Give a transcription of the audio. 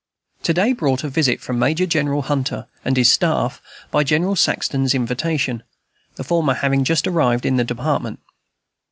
To day brought a visit from Major General Hunter and his staff, by General Saxton's invitation, the former having just arrived in the Department.